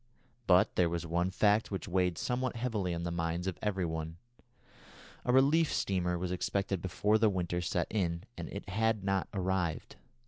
But there was one fact which weighed somewhat heavily on the minds of every one. A relief steamer was expected before the winter set in, and it had not arrived.